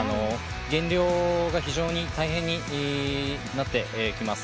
減量が非常に大変になってきます。